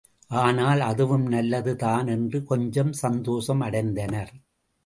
ஆனால் அதுவும் நல்லது தான் என்று கொஞ்சம் சந்தோஷம் அடைந்தனர்.